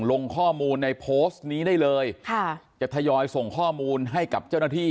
ลงข้อมูลในโพสต์นี้ได้เลยค่ะจะทยอยส่งข้อมูลให้กับเจ้าหน้าที่